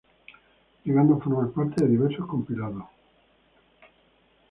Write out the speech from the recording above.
Llegando a formar parte de diversos compilados.